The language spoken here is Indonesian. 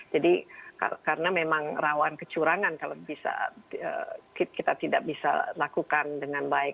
jadi karena memang rawan kecurangan kalau bisa kita tidak bisa lakukan dengan baik